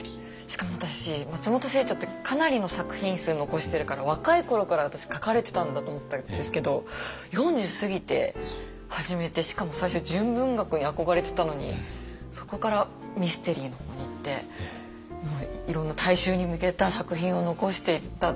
しかも私松本清張ってかなりの作品数残してるから若い頃から私書かれてたんだと思ったんですけど４０過ぎて始めてしかも最初純文学に憧れてたのにそこからミステリーの方にいっていろんな大衆に向けた作品を残していった。